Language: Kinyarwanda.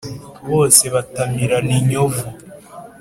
bose batamirana inyovu.